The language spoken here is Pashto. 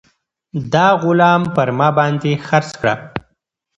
دا غلام پر ما باندې خرڅ کړه.